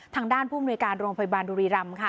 ทางด้านผู้มนุยการโรงพยาบาลบุรีรำค่ะ